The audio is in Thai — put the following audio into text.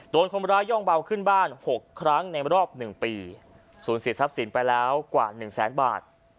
คนร้ายย่องเบาขึ้นบ้าน๖ครั้งในรอบ๑ปีสูญเสียทรัพย์สินไปแล้วกว่า๑แสนบาท